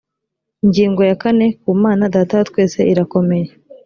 ingingo ya kane ku mana data wa twese irakomeye.